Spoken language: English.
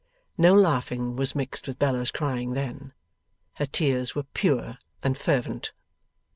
No laughing was mixed with Bella's crying then; her tears were pure and fervent.